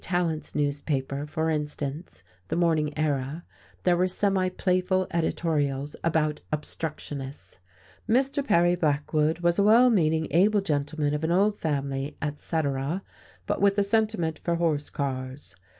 Tallant's newspaper, for instance, the Morning Era, there were semi playful editorials about "obstructionists." Mr. Perry Blackwood was a well meaning, able gentleman of an old family, etc., but with a sentiment for horse cars.